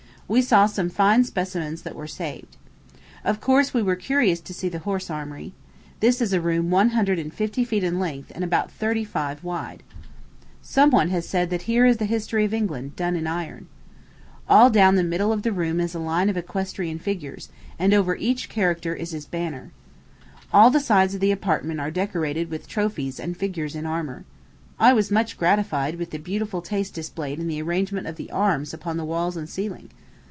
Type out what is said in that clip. We saw some few fine specimens that were saved. Of course, we were curious to see the Horse Armory. This is a room one hundred and fifty feet in length, and about thirty five wide. Some one has said that here is "the History of England, done in iron." All down the middle of the room is a line of equestrian figures, and over each character is his banner. All the sides of the apartment are decorated with trophies and figures in armor. I was much gratified with the beautiful taste displayed in the arrangement of the arms upon the walls and ceiling.